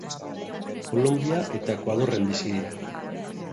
Kolonbia eta Ekuadorren bizi dira.